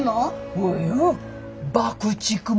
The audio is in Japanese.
およ爆竹も。